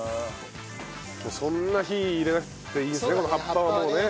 そんな火入れなくていいんですね